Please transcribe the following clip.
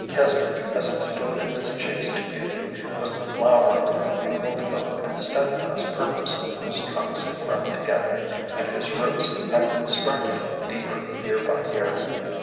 Keswick, as it stood in its chaste beauty, was the flower of a mingled hope and steadfast purpose whose trunks had grown together and whose roots had been striking deeper year by year.